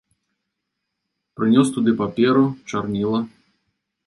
Прынёс туды паперу, чарніла.